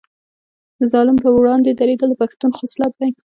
د ظالم پر وړاندې دریدل د پښتون خصلت دی.